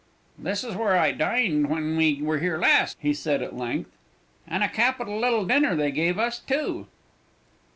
"This is where I dined when we were here last," he said, at length; "and a capital little dinner they gave us too!"